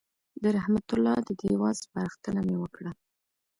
د رحمت الله د دېوان سپارښتنه مې وکړه.